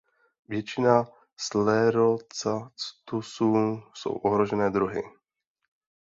Většina "Sclerocactusů" jsou ohrožené druhy.